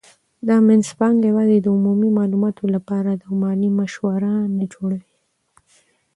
دا مینځپانګه یوازې د عمومي معلوماتو لپاره ده او مالي مشوره نه جوړوي.